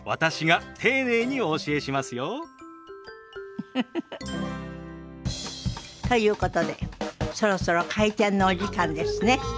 ウフフフ。ということでそろそろ開店のお時間ですね。